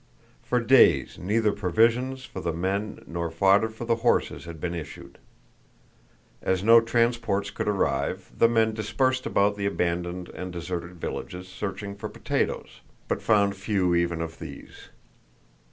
For days neither provisions for the men nor fodder for the horses had been issued. As no transports could arrive, the men dispersed about the abandoned and deserted villages, searching for potatoes, but found few even of these.